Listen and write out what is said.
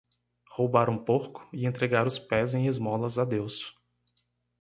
Roubar um porco? e entregar os pés em esmolas a Deus.